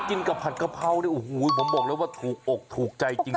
กินกับผัดกะเพราเนี่ยโอ้โหผมบอกเลยว่าถูกอกถูกใจจริง